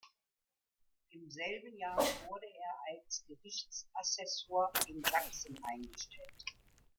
Im selben Jahr wurde er als Gerichtsassessor in Sachsen eingestellt.